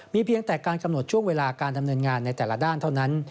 เพียงแต่การกำหนดช่วงเวลาการดำเนินงานในแต่ละด้านเท่านั้น